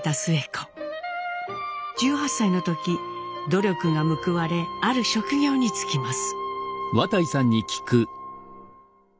１８歳の時努力が報われある職業に就きます。